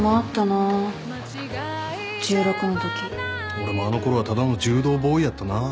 俺もあのころはただの柔道ボーイやったなぁ。